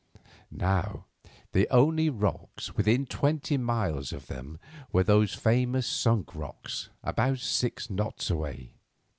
Now, the only rocks within twenty miles of them were these famous Sunk Rocks, about six knots away.